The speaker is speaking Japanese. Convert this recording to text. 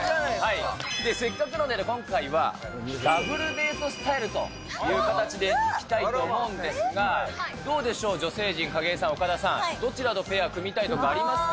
せっかくなので今回は、ダブルデートスタイルという形でいきたいと思うんですが、どうでしょう、女性陣、景井さん、岡田さん、どちらとペア組みたいとかありますか？